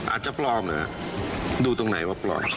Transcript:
อาจจะปลอมเหรอดูตรงไหนว่าปลอม